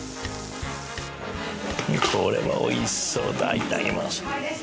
これはおいしそうだいただきます。